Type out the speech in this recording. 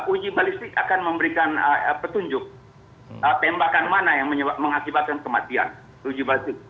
uji balistik akan memberikan petunjuk tembakan mana yang mengakibatkan kematian uji balistik